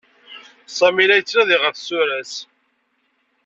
Sami la yettnadi ɣef tsura-s.